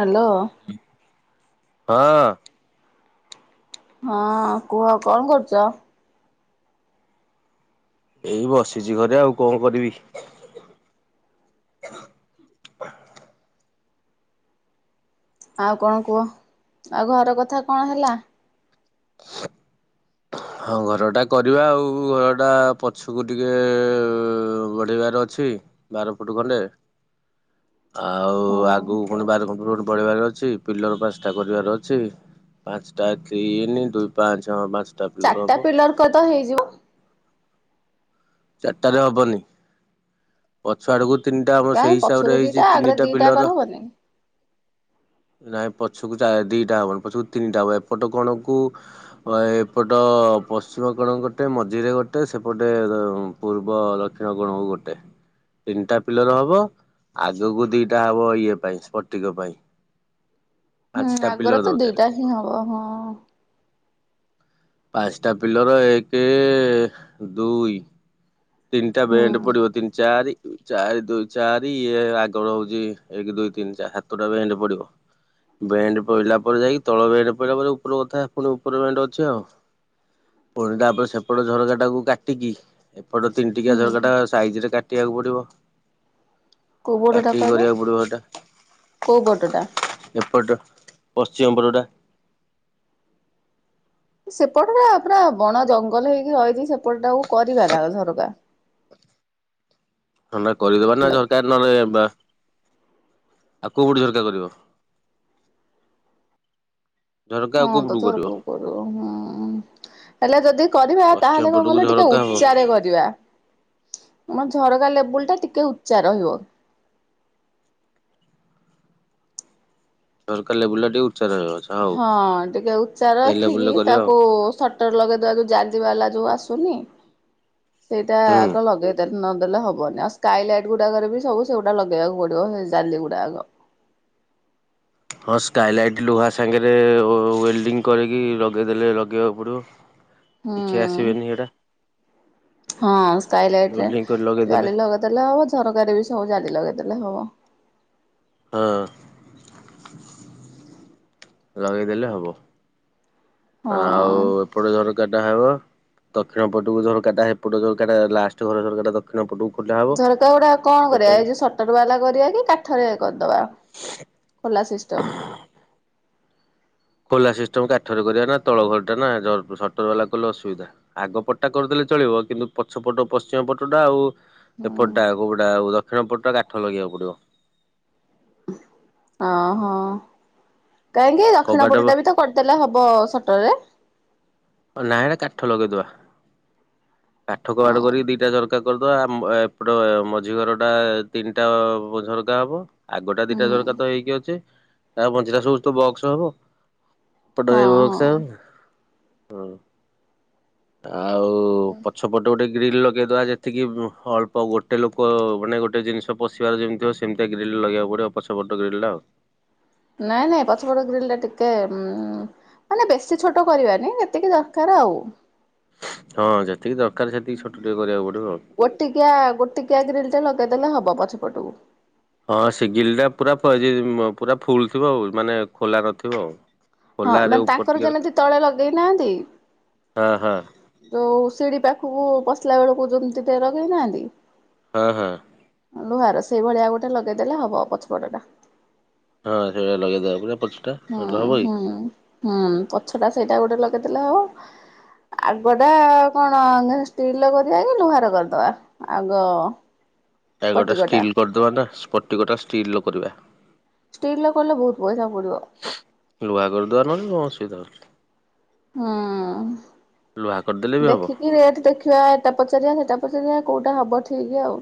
Hello! ହଁ। ହଁ କୁହ କଣ କରୁଛ? ଏଇ ବସିଛି ଘରେ ଆଉ କଣ କରିବି? [inaudible] ଆଉ କଣ କୁହ ଆଉ ଘର କଥା କଣ ହେଲା? ହଁ ଘରଟା କରିବା ଆଉ ଘରଟା ପଛକୁ ଟିକେ ବଢିବାର ଅଛି ବାର ଫୁଟ ଖଣ୍ଡେ ହ ଆଉ ଆଗକୁ କଣି ବାର ପଢେଇବାର ଅଛି ପିଲର ପାସ୍ କରିବାର ଅଛି। ପାଞ୍ଚଟା ନି ଦୁଇ ପାଞ୍ଚ ପାଞ୍ଚଟା ପିଲର ହବ ଚାରିଟା ପିଲର କଦ ହେଇଯିବ ଚାରିଟାରେ ହବନି ପଛ ଆଡକୁ କାଇହିଁ ପଛର ଦିଟା ଆଗରେ ଦିଟା ପିଲର। କରବନି ହଁ। ନାଇଁ ପଛକୁ ଦିଟା ହବନି ପଛକୁ ତିନିଟା ହବ ଏପଟ କଣ କ ଏପଟ ପଶ୍ଚିମ କଣ ଗୋଟେ ମଝିରେ ଗୋଟେ ସେପଟେ ପୂର୍ବ ଦକ୍ଷିଣ କୋଣକୁ ଗୋଟେ ତିନିଟା ପିଲର ହବ ଆଗକୁ ଦିଟା ହବ ଇଏ ପାଇଁ ସ୍ପଟକ ପାଇଁ ହୁଁ ପାଞ୍ଚଟା ପିଲର ଆଗରେ ତ ଦରକାର ଦିଟା ହିଁ ହବ ହଁ। ପାଞ୍ଚଟା ପିଲର ଏକ ଦୁଇ ତିଣ୍ଟା ହୁଁ ଭେଣ୍ଡ ପୁଡ଼ିବ ତିନ ଚାରି ଚାରି ଦୁଇ ଚାରି ଇଏ ଆଗର ହଉଛି, ଏକ ଦୁଇ ତିନି ଚାରି ହାତଟା ବି ଏ ପଡିବ ବେଣ୍ଡ ପଇଲା ପରେ ଯାଇକି ତଳ ବେଣ୍ଡ ପଲା ପରେ ଉପର କଥା ପୁଣି ଉପର ବେଣ୍ଡ ଅଛି ଆଉ। ପୁଣି ତାପରେ ସେପଟ ଝରକାଟାକୁ କାଟିକି ପଟ ତିନିଟିକି ହୁଁ ଝର କଟା ସାଇଜ ରେ କାଟିବାକୁ ପଡିବ। କୋଉ ପଟଟା କଟିକି କହିଲ କରିବାକୁ ପଡିବ ସେଟା କୋଉ ପଟଟା? ଏପଟ ପଶ୍ଚିମ ବରୋଡ଼ା। ସେପଟ ଟ ପୁରା ବଣ ଜଙ୍ଗଲ ହେଇକି ରହିଛି ସେପଟ ଟା କରିବା ନା ଝରକା ଥଣ୍ଡା କରିଦବା ନାଝରକାର ନହେ ବା ଆଉ କୋଉ କୋଠି ଝରକା କରିବ ଝରକା ଆଉ ହଁ କୋଉ ତ ପଟକୁ ତର କରିବ କଉ କର ହୁଁ ହେଲେ ଯଦି କରିବା ପଶ୍ଚିମ ତାହେଲେ କଣ ପଟକୁ କଲେ ଟିକେ ଝରକା ହବ ଉଚ୍ଚ କରିବା ଆମ ଝରକା ଲେବୁଲ ଟା ଟିକେ ଉଚ୍ଚା ରହିବ ସରକାର ବୁଲଟ ଉଠ ହଁ ଟିକେ ଉଚ୍ଚାର ସେଇ ରଖିକି ଲେବୁଲରେ କରିବା ଆଉ ତାକୁ ସଟର ଲଗେଇଦବା ଯୋଉ ଜାଜିବା ବାଲା ଯୋଉ ଆସୁ ଶୁଭୁନି। ସେଇଟା ହୁଁ ଆଗ ଲଗେଇ ଦେ ନ ଦେଲେ ହବନି ଆଉ ସ୍କାଏ ଲାଇଟ୍ ଗୁଡାକରେ ବି ସବୁ ସେଗୁଡା ଲଗେଇବାକୁ ପଡିବ ଓ ହେ ଜାଲି ଗୁଡ଼ା ଆଗ। ହଁ ସ୍କାଏଲାଇଟ୍ ଲୁହା ସାଙ୍ଗରେ ଓ ୱେଲ୍ଡିଙ୍ଗ କରିକି ଲଗେଇଦେଲେ ଲଗେଇବାକୁ ପଡ଼ିବ। ହୁଁ କିଛି ଆସିବେନି ହେଇଟା। ହଁ ସ୍କାଏ ଲାଇଟରେ କରି ଲଗେଇଦେଲେ ଜାଲି ଲଗେଇଦେଲେ ହବ ଝରକା ରେ ବି ସବୁ ଜାଲି ଲଗେ ଦେଲେ ହବ। ହଁ। ଲଗେଇଦେଲେ ହବ ଆଉ ହଁ। ଏପଟେ ଝରକା ଟା ହେବ। ଦକ୍ଷିଣ ପଟକୁ ଝରକାଟା ସେପଟୁ ଝରକା ଟା ଲାଷ୍ଟ ଘର ଝରକାଟା ଦକ୍ଷିଣ ପଟୁ ଝରକା ଗୁଡା କଣ କରିବା ଏଇ ଯୋଉ ସଟର ବାଲା କରିବା କି କାଠରେ କରିଦବା? ଖୋଲା ସିଷ୍ଟମ୍। ଖୋଲା ସିଷ୍ଟମ କାଠରେ କରିବା ନା ତଳ ଘର ଟା ନା ଜ ସଟର ବାଲା କଲେ ଅସୁବିଧା ଆଗ ପଟ ଟା କରିଦେଲେ ଚ ଚଳିବ କିନ୍ତୁ ପଛ ପଟ ପଶ୍ଚିମ ପଟା ଆଉ ହୁଁ ଏପଟଟା କୋଉଟା ଆଉ ଦକ୍ଷିଣ ପଟ ଟା କାଠ ଲଗେଇବାକୁ ପଡିବ। ଆଉ କାହିଁକି ଦକ୍ଷିଣ କବାଟ ପଟ ଟା ବି ତ କରିଦେଲେ ହବ ସଟରରେ। ନା ଏଟା କାଠ ଲଗେଇଦବା କାଠ କୁ ହଁ ଆଡ କରିକି ଦିଟା ଝର ଝରକା କରିଦବା ଆମ ଏପଟ ଏ ମଝି ଘର ଟା ତିନିଟା ହବ ଝରକା ହବ। ଆଗଟା ଦିଟା ଝରକା ହୁଁ। ତ ହେଇକି ଅଛି ତା ମଝିଟା ସବୁ ତ ବକ୍ସ ହବ। ଏପଟ ରେ ହଁ ବକ୍ସ ହଁ ହବ ହଁ। ଆଉ ପଛପଟ ଗୋଟେ ଗ୍ରୀଲ୍ ଲଗେଇଦବା ଯେତିକି ମ ଅଳ୍ପ ଗୋଟେ ଲୋକ ମାନେ ଗୋଟେ ଜିନିଷ ପଶିବାର ଯେମିତି ହବ ସେମିତିଆ ଗ୍ରୀିଲ ଲଗେଇବାକୁ ପଡିବ ପଛପଟ ଗ୍ରିଲ ଟା। ନାଇଁ ନାଇଁ ପଛପଟ ଗ୍ରୀଲ ଟା ଟିକେ ଉଁ। ମାନେ ବେଶୀ ଛୋଟ କରିବାନି ଯେତିକି ଦରକାର ଆଉ। ହଁ ଯେ ଗୋଟିକିଆ ଗୋଟିକିଆ ଗ୍ରିଲ୍ ଲଗେଇଦେଲେ ହବ ପଛ ପଟକୁ। ହଁ ସେ ଗିଲ ଟା ପୁରା ଫ ଯେ ମ ପୁରା ଫୁଲ ଥିବ ଆଉ ମାନେ ଖୋଲା ନଥିବ। ହଁ ଖୋଲାରେ ମାନେ ଉପର ତାଙ୍କର ଟିକେ ଯେମିତି ତଳେ ଲଗେଇନାହାନ୍ତି। ହଁ ହଁ ଯୋଉ ସିଢି ପାଖକୁ ପଶିଲା ବେଳକୁ ଯେମିତି ଟେ ରଗେଇ ନାହାନ୍ତି। ହଁ ହଁ। ଲୁହାର ସେଇଭଳିଆଉ ଗୋଟେ ଲଗେଇଦେଲେ ହବ ପଛପଟଟା। ହଁ ସେଇଟା ଲଗେଇଦବା ପୁ ହୁଁ ହୁଁ ହୁଁ ପଛ ଟା ସେଇଟା ଗୋଟେ ଲଗେଇଦେଲେ ହବ। ଆଗଟା କଣ ଷ୍ଟିଲର କରିବା କି ଲୁହାର କରିଦବା ଆଗ। ତା ଗୋଟେ ସ୍ପଟିକଟା। ଷ୍ଟିଲ କରିଦବା ନା ସ୍ପଟି ଗୋଟା ଷ୍ଟିଲର କରିବା। ଷ୍ଟିଲର କଲେ ବହୁତ ପଇସା ପଡିବ ଲୁହା କରିଦବା ନହେଲେ କଣ ଅସୁବିଧା ହଉଛି। ହୁଁ ଲୁହା କରିଦେଲେ ବି ହବ। ଦେଖିକି ରେଟ ଦେଖିବା ଏଟା ପଚାରିବା ସେଟା ପଚାରିବା କୋଉଟା ହବ ଠିକ ଆଉ।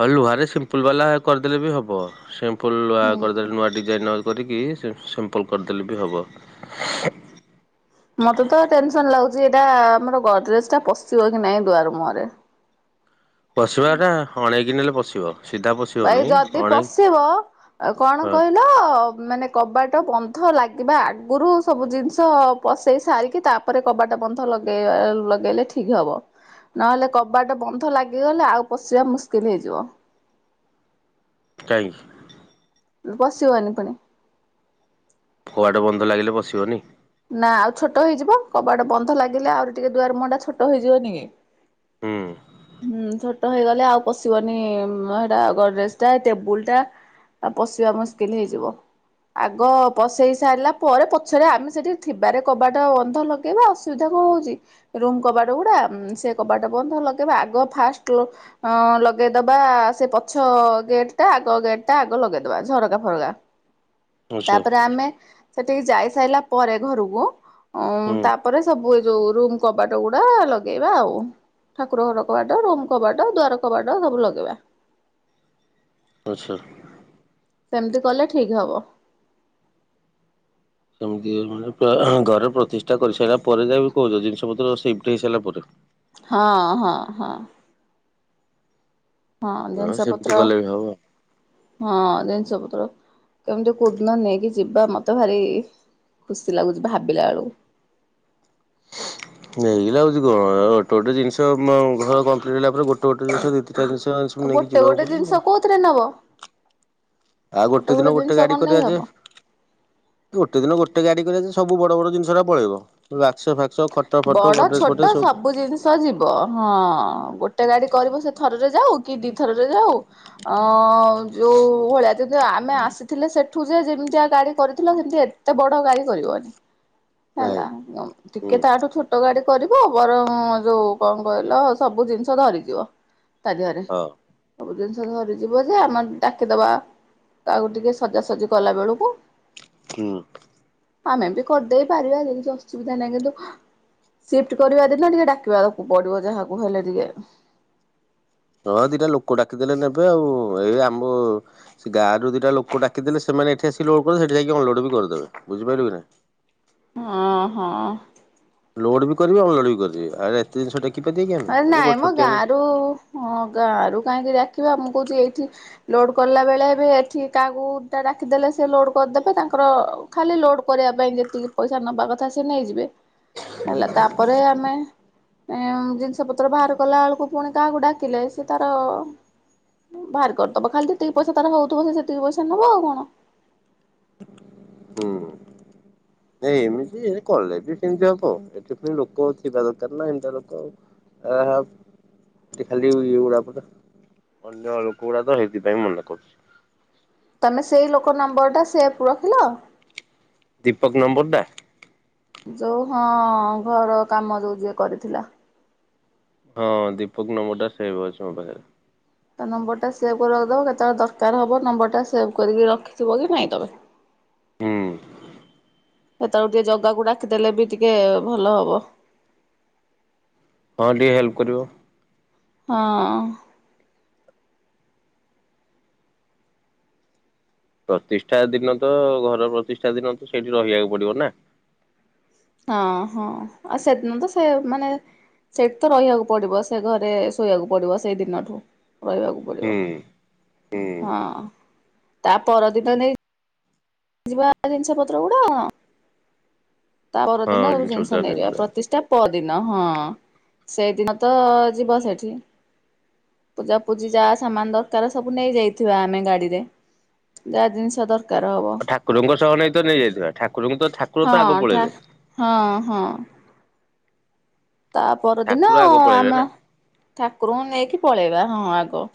ହଉ ଲୁହା ରେ ସିମ୍ପୁଲ ବାଲା କରିଦେଲେ ବି ହବ ସିମ୍ପୁଲ ଲୁହା କରିଦେଲେ ନୂଆ ଡିଜାଇନର କରିକି ସି-ସିମ୍ପଲ କରିଦେଲେ ବି ହବ। ମତେ ତ ଟେନସନ ଲାଗୁଛି ଏଇଟା ଆମର ଗଡରେଜ ପଶିବ କି ନାଇଁ ଦୁଆର ମୁହରେ। ହ [unintelligible] [inaudible] ପଶିବା ଟା ଅଣେଇକି ନେଲେ ପଶିବ। ସିଧା ଭାଇ ପଶିବନି ଯଦି ଅଣେଇ ପଶିବ ଏ କଣ ହଁ କହିଲ ମାନେ କବାଟ ବନ୍ଧ ଲାଗିବା ଆଗୁରୁ ସବୁ ଜିନିଷ ପସେଇ ସାରିକି ତାପରେ କବାଟ ବନ୍ଧ ଲ ଲଗେଇବା ଲଗେଇଲେ ଠିକ ହବ। ନହେଲେ କବାଟ ବନ୍ଧ ଲାଗିଗଲେ ଆଉ ପଶିବା ମୁସ୍କିଲ୍ ହେଇଯିବ। ଇ ପଶିବନି ପୁଣି। ବାଡ଼ ବନ୍ଧ ଲାଗିଲେ ବସିବନି? ନାଁ ଆଉ ଛୋଟ ହେଇଯିବ କବାଟ ବନ୍ଧ ଲାଗିଲେ ଆଉରି ଟିକେ ଦୁଆର ମୁହଁଟା ଛୋଟ ହେଇଯିବନି କି? ହୁଁ। ହୁଁ ଛୋଟ ହେଇଗଲେ ଆଉ ପଶିବନି ହେଟା ଗଡ୍ରେଜ୍ ଟା ଟେବୁଲ୍ ଟା। ଆ ପଶିବା ମୁସ୍କିଲ୍ ହେଇଯିବ ଆଗ ପଶେଇ ସାଇଲା ପରେ ପଛରେ ଆମେ ସେଠି ଥିବାରେ କବାଟ ବନ୍ଧ ଲଗେଇବା ଅସୁବିଧା କଣ ହଉଚି ରୁମ୍ କବାଟ ଗୁଡ଼ା ସେ କବାଟ ବନ୍ଧ। ଲଗେଇବା ଆଗ ଫାଷ୍ଟ୍ ଅଁ ଲଗେଇଦବା ସେ ପଛ ଗେଟ୍ ଟା ଆଗ ଗେଟ୍ ଟା ଆଗ ଲଗେଇଦବା ଝରକା ଫରକା। ଆଚ୍ଛା ତାପରେ ଆମେ ସେଠିକି ଯାଇ ସାଇଲା ପରେ ଘରୁକୁ ଓ ହୁଁ। ତାପରେ ସବୁ ଏ ଯୋଉ ରୁମ୍ କବାଟ ଗୁଡ଼ା ଲଗେଇବା ଆଉ। ଠାକୁର ଘର କବାଟ ରୁମ୍ କବାଟ ଦ୍ୱାର କବାଟ ସବୁ ଲଗେଇବା। ଆଚ୍ଛା ‌ ସେମତି କଲେ ଠିକ ହବ। ଏମତି ମାନେ‌ ପ୍ରାଏ ଘରେ ପ୍ରତିଷ୍ଠା କରିସାଇଲା ପରେ ଯାଇ କହୁଚ ଜିନିଷ ପତ୍ର ସିଫ୍ଟ୍ ହେଇସାଇଲା ପରେ। ହଁ ହଁ ହଁ। ହଁ ସେମିତି ଜିନିଷପତ୍ର କଲେ ବି ହବ। ହଁ ଜିନିଷପତ୍ର। କେମତି କୋଉ ଦିନ ନେଇକି ଯିବା ମତେ ଭାରି ଖୁସି ଲାଗୁଚି ଭାବିଲା ଅଳୁକୁ। ନେଇକିନା ଆଉଚି କଣ ଗୋଟେ ଜିନିଷ ମ ଘର କମ୍ପ୍ଲିଟ୍ ହେଲା ପରେ ଗୋଟେ ଗୋଟେ ଜିନିଷ ଘିତି ତା ଜିନଷ ଆଉ ଅଛି ନେଇକି ଗୋଟେ ଯିବାକୁ ଗୋଟେ ଜିନିଷ ପଡ଼ିବ। କୋଉଥିରେ ନବ ଆଉ ଗୋଟେ ଦିନ ଗୋଟେ ଜିନିଷ ଗାଡ଼ି କଣ କରିବା ନେଇ ଯେ ହବ? ଗୋଟେ ଦିନ ଗୋଟେ ଗାଡ଼ି କରିବା ଯେ ସବୁ ବଡ଼ବଡ଼ ଜିନିଷରା ପଳେଇବ ବାକ୍ସ ଫା ବଡ଼ ଛୋଟ ସବୁ ଜିନିଷ ଯିବ ହଁ ଗୋଟେ ଗାଡ଼ି କରିବ ସେ ଥରରେ ଯାଉ କି ଦିଥରରେ ଯାଉ ଅ ଯୋଉ ଭଳିଆ ଯ ଜ ଆମେ ଆସିଥିଲେ ସେଠୁ ଯେ ଯେମିତିଆ ଗାଡ଼ି କରିଥିଲ ସେମିତି ଏତେ ବଡ଼ ଗାଡ଼ି କରିବନି। ନାହିଁ ହେଲା ଉଁ ହୁଁ ଟିକେ ତାଠୁ ଟ ଗାଡ଼ି କରିବ ବରଂ ଯୋଉ କଁ କହିଲ ସବୁ ଜିନିଷ ଧରିଯିବ। ତା ଧିଅରେ ହଁ ସବୁ ଜିନ୍ ଧ ଧରିଯିବ ଯେ ଆମେ ଡାକିଦବା କାହାକୁ ଟିକେ ସଜାସଜି କଲା ବେଳୁକୁ। ହୁଁ। ଆମେ ବି କରିଦେଇ ପାରିବା ଯେ କିଛି ଅସୁବିଧା ନାହିଁ କିନ୍ତୁ ସିଫ୍ଟ କରିବା ଦିନ ଟିକେ ଡାକିବାକୁ ପଡ଼ିବ ଯାହାକୁ ହେଲେ ଟିକେ। ହଁ ଦିଟା ଲୋକ ଡାକିଦେଲେ ନେବେ ଆଉ ଏଇ ଆମ ସେ ଗାଁରୁ ଦିଟା ଲୋକ ଡାକିଦେଲେ ସେ ମାନେ ଏଠି ଆସି ଲୋଡ଼ କରି ସେଠି ଯାଇକି ଅନଲୋଡ଼ ବି କରିଦେବେ। ବୁଝିପାଇଲୁକି ନାଇଁ? ହଁ ହଁ। ଲୋଡ଼ ବି କରିବେ ଅନଲୋଡ଼ ବି କରିବେ ଆରା ଏତେ ଜିନିଷ ଟେ ଆରେ ନାଇଁମ ଗାଁରୁ ହଁ ଗାଁରୁ କାହିଁକି ଡାକିବା ମୁଁ କୋହୁଚି ଏଇଠି ଲୋଡ଼୍ କରଲା ବେଳେ ଏବେ ଏଠି କାହାକୁ ତା ଡାକିଦେଲେ ସିଏ ଲୋଡ଼ କରିଦେବେ ତାଙ୍କର ଓ ଖାଲି ଲୋଡ଼ କରିବା ପାଇଁ ଯେତିକି ପଇସା ନବା କଥା ସେ ନେଇଯିବେ। ହେଲା ତାପରେ ଆମେ ଏଁ ଉଁ ଜି ଷ ପତ୍ର ଭାର କଲା ଅଳୁକୁ ପୁଣି କାହାକୁ ଡାକିଲେ ସେ ତାର ଭାର କରିଦବ ଖାଲି ଯେତିକି ପଇସା ତାର ହଉଥିବ ସେ ସେତିକି ପଇସା ନବ ଆଉ କଣ। ହୁଁ। ନାଇଁ ଏମିତି ହେ କଲେ ବି ସେମିତି ହବ ଏଠି ପୁଣି ଲୋକ ଥିବା ଦରକାର ନାଁ ହେମତିଆ ଲୋକ ଆଉ। ଆହା ଟେ ଖାଲି ଇଏ ଗୁଡ଼ାକ ତ ଅନ୍ୟ ଲୋକ ଉଡ଼ା ତ ହେଇଥିପାଇଁ ମନା କରୁଚି। ନାଁ ସେଇ ଲୋକ ନମ୍ବର୍ ଟା ସେପ୍ ରଖିଲ? ଦୀପକ ନମ୍ବରଟା ଯୋଉ ହଁ ଘର କାମ ଯୋଉ ଯିଏ କରିଥିଲା ହଁ ଦୀପକ ନମ୍ୱରଟା ସେଭ ଅଛି ମୋ ପାଖରେ ତା ନମ୍ବର ଟା ସେଭ କରିବାକୁ ଦବ କେତେବେଳେ, ଦରକାର ହବ ନମ୍ବର ଟା ସେଭ କରିକି ରଖିଥିବ କି ନାଇଁ ତମେ ହୁଁ। ସେତେବେଳକୁ ଟିକେ ଜଗାକୁ ଡାକିଦେଲେ ବି ଟିକେ ଭଲ ହବ। ହଁ ଟିକେ ହେଲ୍ପ କରିବ। ହଁ। ପ୍ରତିଷ୍ଠା ଦିନ ତ ଘର ପ୍ରତିଷ୍ଠା ଦିନ ତ ସେଇଠି ରହିବାକୁ ପଡିବ ନା? ହଁ ହଁ ଆଉ ସେଦିନ ତ ସେମାନେ ସେଠିତ ରହିବାକୁ ପଡିବ ସେ ଘରେ ଶୋଇବାକୁ ପଡିବ ସେଇ ଦିନଠୁ ରହିବାକୁ ପଡିବ ହୁଁ। ହୁଁ ହଁ ତା ପରଦିନ ନେଇ ଆ ଯିବା ଜିନିଷ ପତ୍ର ଗୁଡା ତା ପରଦିନ ସବୁ ଜିନିଷ ନେଇଯିବା ପ୍ରତିଷ୍ଠା ପରଦିନ ଦିନ ହଁ ସେଇଦିନ ତ ଯିବ ସେଠି ପୂଜାପୂଜି ଯାହା ସାମାନ ଦରକାର ସବୁ ନେଇ ଯାଇଥିବା ଆମେ ଗାଡିରେ ଯାହା ଜିନିଷ ଦରକାର ହବ। ଆଉ ଠାକୁରଙ୍କ ନେଇ ତ ନେଇଯାଇଥିବା ଠାକୁରଙ୍କୁ ତ ଠାକୁର ତ ଆଗ ହଁ ଠା ପଳେଇବେ ହଁ ହଁ ତା ପରଦିନ ଠାକୁର ଆଗ ପଳେଇବେ ଆମ ନା। ଠାକୁରଙ୍କୁ ନେଇକି ପଳେଇବା ହଁ ଆଗ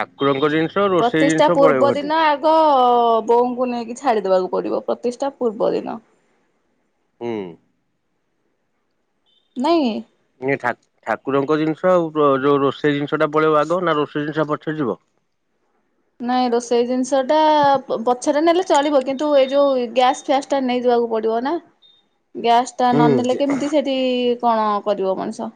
ଠାକୁରଙ୍କ ଦିନ ପ୍ରତିଷ୍ଠା ପୂର୍ବ ଦିନ ଆଗ ବଉଙ୍କୁ ନେଇକି ଛାଡିଦବାକୁ ପଡିବ ପ୍ରତିଷ୍ଠା ପୂର୍ବ ଦିନ ହଁ। ନାଇଁ ଠାକୁରଙ୍କ ଜିନିଷ ଆଉ ଯୋଉ ରୋଷେଇ ଜିନିଷ ଟା ପଳେଇବ, ଆଗ ନା ରୋଷେଇ ଜିନିଷ ପଛେ ଯିବ [inaudible] ନାଇଁ ରୋଷେଇ ଜିନିଷ ଟା ପଛରେ ନେଲେ ଚଳିବ, କିନ୍ତୁ ଏଇ ଯୋଉ ଗ୍ୟାସ ଫ୍ୟାସ ଟା ନେଇଯ ପଡିବ ନା ଗ୍ୟାସ ଟା ନନେଲେ ହୁଁ କେମିତି ସେଠି କଣ କରିବ ମଣିଷ?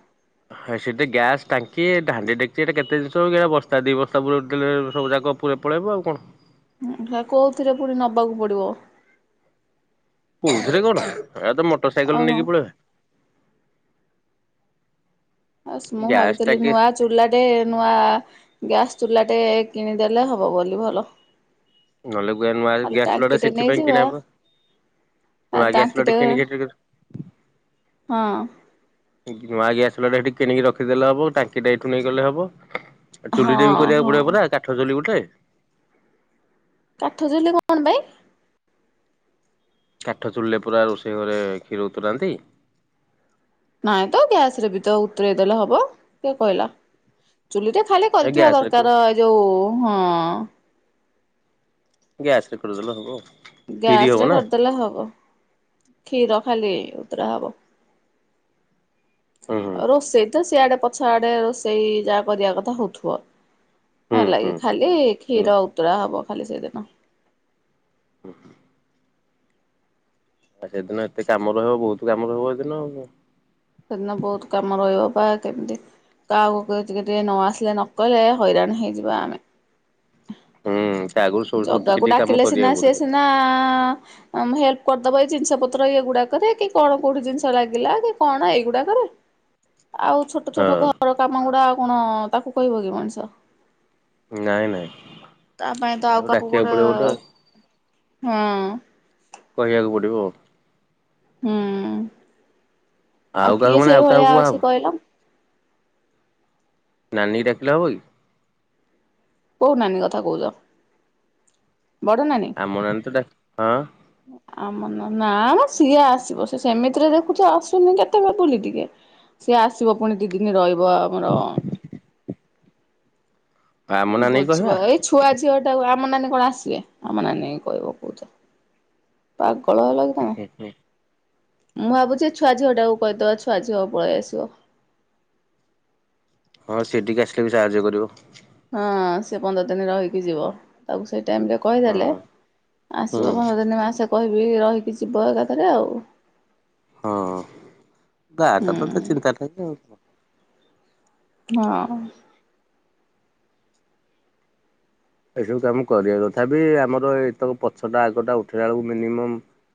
ହଁ ସେଠି ଗ୍ୟାସ୍ ଟାଙ୍କି ହାଣ୍ଡି ଡେକିଚି କେତେ ଜିନିଷ ବସ୍ତା ଦି ବସ୍ତା ବ ସବୁ ଯାକ ପୁରୀ ପଳେଇବ ଆଉ କଣ? କୋଉଥିରେ ପୁଣି ନବାକୁ ପଡିବ? ରେ କଣ ଏ ତ ମୋଟର ଆଉ ସାଇକେଲ ହଁ ନେଇକି ପଳେଇବା। ଆସ ମୁଁ ଗ୍ୟାସ୍ ଭାବିଥିଲି ଟାଙ୍କି ନୂଆ ଚୁଲାଟେ ରେ ନୂଆ ଗ୍ୟାସ୍ ଚୁଲାଟେ କିଣିଦେଲେ ହବ ବୋଲି ଭଲ ନହେଲେ ନୁଆ ଖାଲି ଗ୍ୟାସ ଚୁଲାଟା ଟାଙ୍କିଟେ ସେଥିପାଇଁ ନେଇଯିବା କିଣହେବ। ଆ ଆଗେ ଆସିଲ ଟାଙ୍କିଟେ ଟ କେଣି ଖେଟ ନୂଆ ହଁ ଗ୍ୟାସ ଗୋଟେ ସେଇଠି କିଣିକି ରଖିଦେଲେ, ହବ ଟାଙ୍କି ଟା ଏଇଠୁ ନେଇଗଲେ ହବ। ଆଉ ହଁ ଚୁଲିଟ ବି କରିବାକୁ ହଁ ପଡିବ ପା କାଠ ଚୁଲି ଗୋଟେ କାଠ ଚୁଲି କଣ ପାଇଁ? କାଠ ଚୁଲିଲେ ପୁରା ରୋଷେଇ ଘରେ କ୍ଷୀର ଉତରାନ୍ତି। ନାଇଁ ତ ଗ୍ୟାସ ରେ ବି ତ ଉତରେଇଦଲେ ହବ କିଏ କହିଲା? ଚୁଲି ଟା ଖାଲି ଏ କରିଥିବା ଗ୍ୟାସରେ ଦରକାର ଏ ଯୋଉ ହଁ। ଗ୍ୟାସରେ କରିଦେଲେ ହବ। କ୍ଷୀରି ଗ୍ୟାସ ହବ ରେ ନା କରିଦେଲେ ହବ। କ୍ଷୀର ଖାଲିି ଉତରା ହବ। ହୁଁ ହୁଁ ରୋଷେଇ ତ ସେଆଡେ ପଛ ଆଡେ ରୋଷେଇ ଯାହା କରିବା କଥା ହଉଥିବ। ହୁଁ ହେ ହୁଁ ଲାଗେ ଖାଲି ହୁଁ। କ୍ଷୀର ଉତୁରା ହବ ଖାଲି ସେଇଦିନ ଓ ହୋ। ଆଉ ସେଦିନ ଏତେ କାମ ରହିବ ବହୁତ କାମ ରହିବ ସେଦିନ ଆ ସେଦିନ ବହୁତ କାମ ରହିବ ପା କେମିତି କାହାକୁକହିଥିଲେ ଟିକେ ଟିକେ ନ ଆସିଲେ ନକଲେ ହଇରାଣ ହେଇଯିବା ଆମେ ହୁଁ। ତା ଆଗରୁ ଶୋଉ ଶୋଉ ଟିକେ ଜଗାକୁ ଟିକେ କାମ ଡାକିଲେ ସିନା କରିବାକୁ ସିଏ ପଡିବ ସିନା ଆ ହେଲ୍ପ କରିଦବ ଏଇ ଜିନିଷ ପତ୍ର ଇ ଗୁଡାକରେ କି କଣ କୋଉଠି ଜିନିଷ ଲାଗିଲା କି କଣ ଏଇଗୁଡାକରେ। ଆଉ ଛୋଟ ଛୋଟ ହଁ ଘର କାମ ଗୁଡାଉ କଣ ତାକୁ କହିବ କି ମଣିଷ ନାଇଁ ନାଇଁ। ତା ପାଇଁ ତ ଆଉ କାହା କାହାକୁ ଡାକିବାକୁ ପଡିବ ଆଉ ଗୋଟେ ହୁଁ। କହିବାକୁ ପଡିବ ଆଉ ହୁଁ ଆଉ କାହାକୁ କିଏ ମାନେ କାହାକୁ ସେଇଭଳିଆ କୁହାହବ। ଅଛି କହିଲ? ନାନୀ ଡାକିଲେ ହବ କି? କୋଉ ନାନୀ କଥା କହୁଛ? ବଡ ନାନୀ? ଆମ ନାନି ତ ଡା ହଁ। ଆମ ନ ନା ସିଏ ଆସିବ ସେ ସେମିତିରେ ଦେଖୁଛ ଆସୁନି କେତେବେ ବୁଲି ଟିକେ। ସିଏ ଆସିବ ପୁଣି ଦି ଦିନ ରହିବ ଆମର ଆମ ନାନୀ କି କହିବା। ବୁଝିବ ଏଇ ଛୁଆ ଝିଅଟା ଆମ ନାନୀ କଣ ଆସିବେ ଆମ ନାନୀ କହିବ କହୁଛ। ଭଲ ହେ ଲାଗି ତମେ। ମୁଁ ଭାବୁଛି ଛୁଆ ଝିଅ ଟାକୁ କହିଦବା ଛୁଆ ଝିଅକୁ ପଳେଇ ଆସିବ। [inaudible] ହଁ ସିଠିକ ଆସିଲେ ବି ସାହାଯ୍ୟ କରିବ। ହଁ ସେ ପନ୍ଦର ଦିନ ରହିକି ଯିବ ତାକୁ ସେଇଠି ଟେ ହଁ କହିଦେଲେ ହୁଁ ଆସିବ ପନ୍ଦର ଦିନ ମା ଆସେ କ ରହିକି ଯିବ ଏକାଥରେ ଆଉ। ହଁ ଗାଁଟା ତ ତ ହୁଁ ଚିନ୍ତା ନାହିଁ ଆଉ। ହଁ। ଏସବୁ କାମ କରିବା ତଥାପି ଆମର ଏତକ ପଛଟା ଆଗଟା ଉଠିଲା ବେଳକୁ ମିନିମମ୍